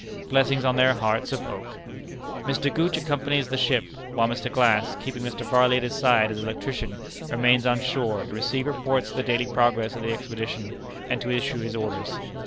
Blessings on their hearts of oak! Mr. Gooch accompanies the ship, while Mr. Glass, keeping Mr. Varley at his side as electrician, remains on shore, to receive reports of the daily progress of the expedition, and to issue his orders.